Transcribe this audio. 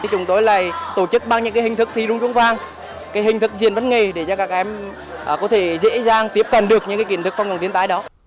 chúng tôi tổ chức bằng những hình thức thi dung trung vàng hình thức diện vấn nghề để các em có thể dễ dàng tiếp cận được những kiến thức phòng chống thiên tai đó